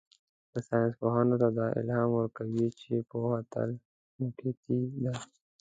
ساینسپوهانو ته دا الهام ورکوي چې پوهه تل موقتي ده.